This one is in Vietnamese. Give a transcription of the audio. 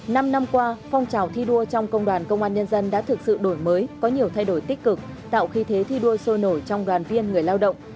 năm năm qua phong trào thi đua trong công đoàn công an nhân dân đã thực sự đổi mới có nhiều thay đổi tích cực tạo khi thế thi đua sôi nổi trong đoàn viên người lao động